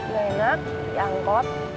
gak enak di angkot